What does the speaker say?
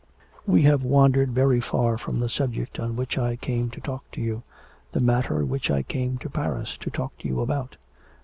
'We have wandered very far from the subject on which I came to talk to you the matter which I came to Paris to talk to you about.'